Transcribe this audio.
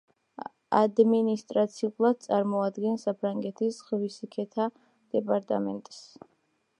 ადმინისტრაციულად წარმოადგენს საფრანგეთის ზღვისიქითა დეპარტამენტს.